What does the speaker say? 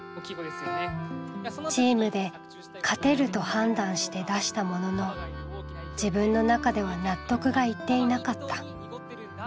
チームで「勝てる」と判断して出したものの自分の中では納得がいっていなかった。